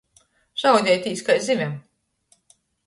Šaudeitīs kai zivem.